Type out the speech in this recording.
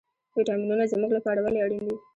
ویټامینونه زموږ لپاره ولې اړین دي